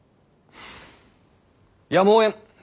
やむをえぬ。